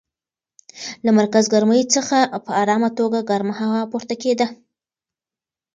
له مرکز ګرمۍ څخه په ارامه توګه ګرمه هوا پورته کېده.